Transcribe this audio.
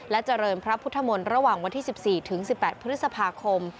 เจริญพระพุทธมนตร์ระหว่างวันที่๑๔ถึง๑๘พฤษภาคม